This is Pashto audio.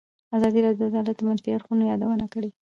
ازادي راډیو د عدالت د منفي اړخونو یادونه کړې.